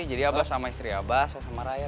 jadi abah sama istri abah saya sama raya